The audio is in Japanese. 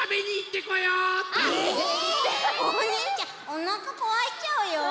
おにいちゃんおなかこわしちゃうよ。